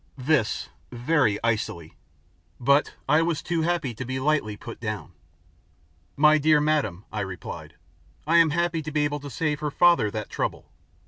This very icily. But I was too happy to be lightly put down. "My dear madam," I replied, "I am happy to be able to save her father that trouble.